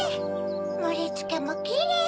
もりつけもキレイ！